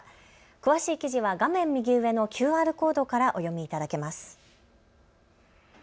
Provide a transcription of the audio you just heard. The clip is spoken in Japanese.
詳しい記事は画面右上のＱＲコードからお読みいただけます。